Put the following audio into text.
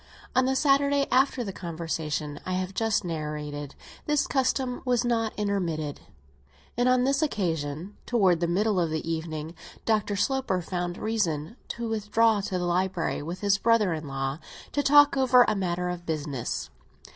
On the Sunday after the conversation I have just narrated, this custom was not intermitted and on this occasion, towards the middle of the evening, Dr. Sloper found reason to withdraw to the library, with his brother in law, to talk over a matter of business.